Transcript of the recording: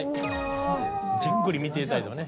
じっくり見て頂いてもね。